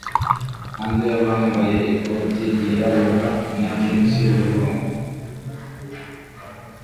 hanze yambaye ikoti ryirabura na jans yubururu